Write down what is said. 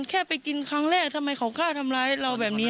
แค่ไปกินครั้งแรกทำไมเขากล้าทำร้ายเราแบบนี้